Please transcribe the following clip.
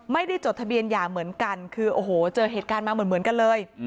จดทะเบียนหย่าเหมือนกันคือโอ้โหเจอเหตุการณ์มาเหมือนกันเลย